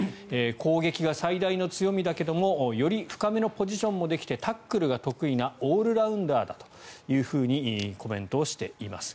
攻撃が最大の強みだけれどもより深めのポジションもできてタックルが得意なオールラウンダーだとコメントしています。